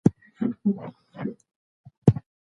د کلي د اوبو ویاله ډېره یخه ده.